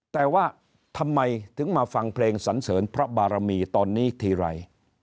แต่ว่าทำไมถึงมาฟังเพลงสันเสริญพระบารมีตอนนี้ทีไร